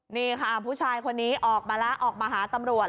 นี่ค่ะผู้ชายคนนี้ออกมาแล้วออกมาหาตำรวจ